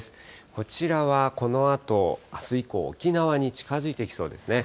こちらはこのあとあす以降、沖縄に近づいてきそうですね。